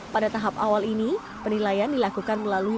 pada tahap awal ini penilaian dilakukan melalui